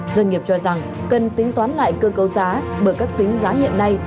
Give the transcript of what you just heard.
doanh nghiệp cho rằng cần tính toán lại cơ cấu giá bởi các tính giá hiện nay